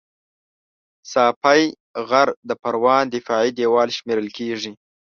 ساپی غر د پروان دفاعي دېوال شمېرل کېږي